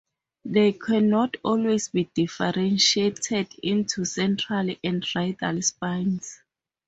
They cannot always be differentiated into central and radial spines.